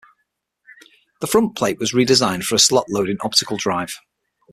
The front plate was redesigned for a slot-loading optical drive.